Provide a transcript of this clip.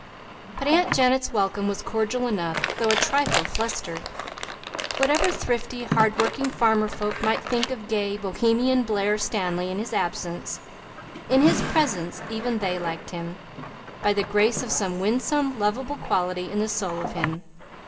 But Aunt Janet's welcome was cordial enough, though a trifle flustered. Whatever thrifty, hard working farmer folk might think of gay, Bohemian Blair Stanley in his absence, in his presence even they liked him, by the grace of some winsome, lovable quality in the soul of him.